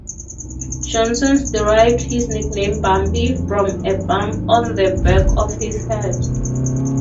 Johnson derived his nickname "Bumpy" from a bump on the back of his head.